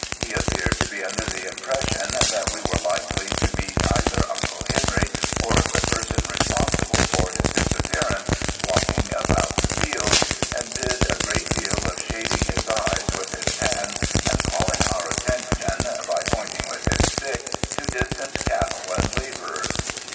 He appeared to be under the impression that we were likely to meet either Uncle Henry or the person responsible for his disappearance, walking about the fields and did a great deal of shading his eyes with his hand and calling our attention, by pointing with his stick, to distant cattle and labourers.